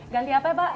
ganti apa ya pak